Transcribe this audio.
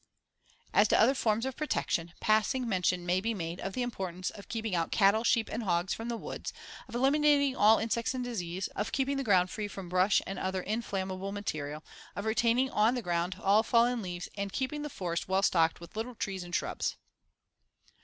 ] As to other forms of protection, passing mention may be made of the importance of keeping out cattle, sheep and hogs from the woods, of eliminating all insects and disease, of keeping the ground free from brush and other inflammable material, of retaining on the ground all fallen leaves and keeping the forest well stocked with little trees and shrubs.